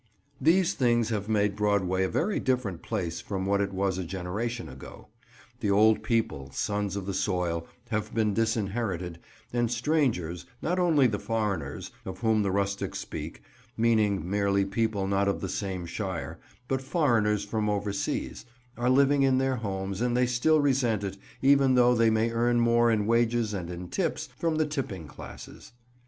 These things have made Broadway a very different place from what it was a generation ago. The old people, sons of the soil, have been disinherited, and strangers—not only the "foreigners," of whom the rustics speak, meaning merely people not of the same shire, but foreigners from overseas—are living in their homes, and they still resent it, even though they may earn more in wages and in "tips" from the tipping classes.